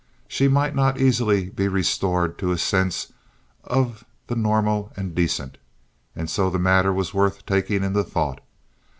She might not easily be restored to a sense of the normal and decent, and so the matter was worth taking into thought.